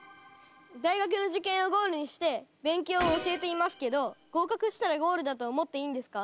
大学の受験をゴールにして勉強を教えていますけど合格したらゴールだと思っていいんですか？